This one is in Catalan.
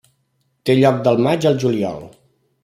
Té lloc del maig al juliol.